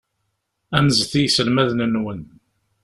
Anzet i yiselmaden-nwen.